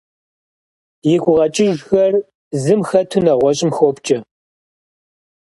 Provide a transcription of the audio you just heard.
И гукъэкӀыжхэр зым хэту нэгъуэщӀым хопкӀэ.